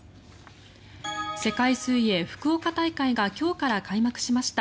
世界水泳福岡大会が今日から開幕しました。